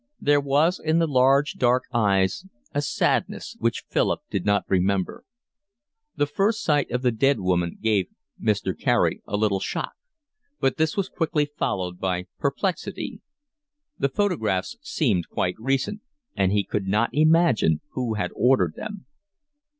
There was in the large dark eyes a sadness which Philip did not remember. The first sight of the dead woman gave Mr. Carey a little shock, but this was quickly followed by perplexity. The photographs seemed quite recent, and he could not imagine who had ordered them.